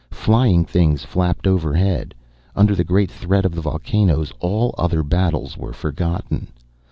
Flying things flapped overhead. Under the greater threat of the volcanoes all other battles were forgotten.